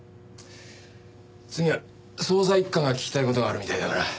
次は捜査一課が聞きたい事があるみたいだから。